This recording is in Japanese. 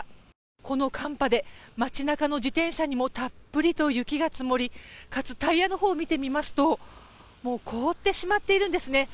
この寒波で街中の自転車にもたっぷりと雪が積もり、かつタイヤのほうを見てみますと凍ってしまっているんですね。